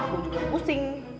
gue juga yang pusing